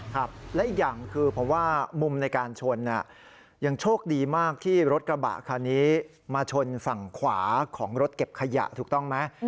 ครับและอีกอย่างคือผมว่ามุมในการชนยังโชคดีมากที่รถกระบะคันนี้มาชนฝั่งขวาของรถเก็บขยะถูกต้องไหม